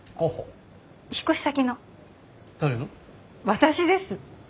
私です。